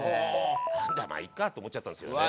「なんだまあいいか」って思っちゃったんですよね。